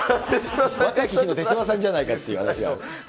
若き日の手嶋さんじゃないかっていう話が。